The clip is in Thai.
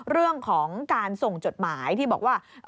เรื่องของการส่งจดหมายที่บอกว่า